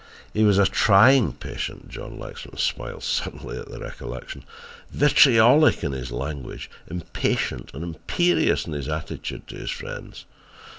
He was a trying patient," John Lexman smiled suddenly at the recollection, "vitriolic in his language, impatient and imperious in his attitude to his friends.